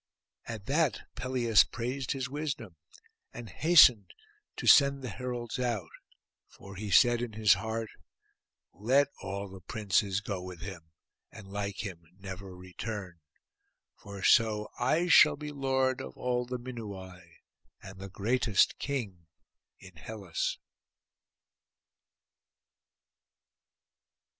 At that Pelias praised his wisdom, and hastened to send the heralds out; for he said in his heart, 'Let all the princes go with him, and, like him, never return; for so I shall be lord of all the Minuai, and the greatest king in Hellas.